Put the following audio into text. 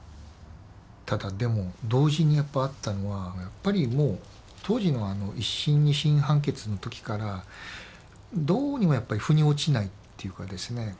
ただでも同時にやっぱあったのはやっぱり当時の一審二審判決の時からどうにもやっぱりふに落ちないっていうかですね